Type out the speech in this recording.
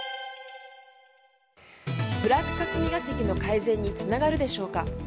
ブラック霞が関の改善につながるでしょうか。